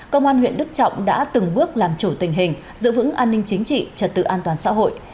công an huyện đức trọng đã từng bước làm chủ tình hình giữ vững an ninh chính trị trật tự an toàn xã hội